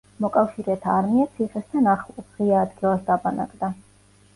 მოკავშირეთა არმია ციხესთან ახლოს, ღია ადგილას დაბანაკდა.